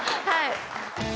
はい！